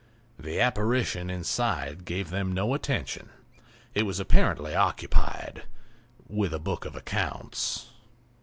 The apparition inside gave them no attention; it was apparently occupied with a book of accounts.